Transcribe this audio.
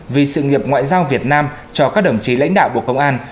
vì sự nghiệp ngoại giao việt nam cho các đồng chí lãnh đạo bộ công an